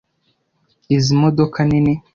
Izi modoka nini.